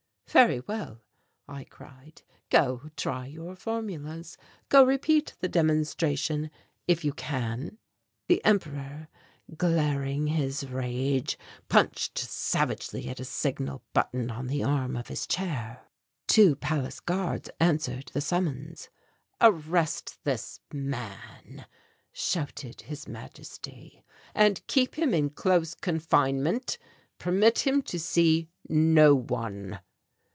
"Very well," I cried; "go try your formulas; go repeat the demonstration, if you can." The Emperor, glaring his rage, punched savagely at a signal button on the arm of his chair. Two palace guards answered the summons. "Arrest this man," shouted His Majesty, "and keep him in close confinement; permit him to see no one."